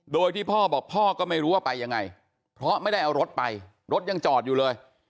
โดยที่พ่อบอกพ่อก็ไม่รู้ว่าไปยังไงเพราะไม่ได้เอารถไปรถยังจอดอยู่เลย